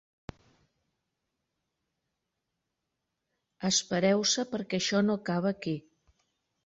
Espereu-se, perquè això no acaba aquí.